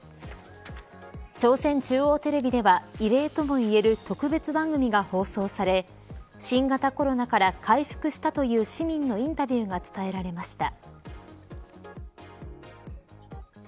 朝鮮中央テレビでは異例ともいえる特別番組が放送され新型コロナから回復したという市民のインタビューが伝えられました。